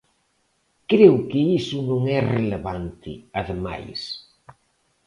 Creo que iso non é relevante, ademais.